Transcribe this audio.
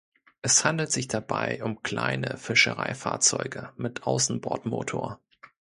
Es handelt sich dabei um kleine Fischereifahrzeuge mit Außenbordmotor.